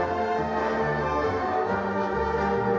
สวัสดีครับ